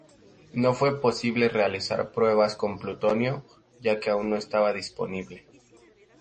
No fue posible realizar pruebas con plutonio, ya que aún no estaba disponible.